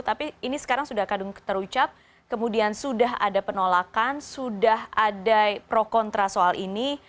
tapi ini sekarang sudah kadung terucap kemudian sudah ada penolakan sudah ada pro kontra soal ini